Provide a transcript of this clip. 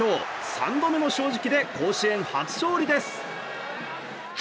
３度目の正直で甲子園初勝利です。